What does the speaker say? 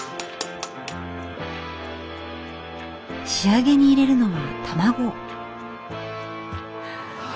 仕上げに入れるのは卵。